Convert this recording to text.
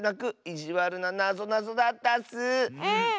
いじわるななぞなぞだったッス。